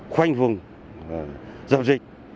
khoanh vùng do dịch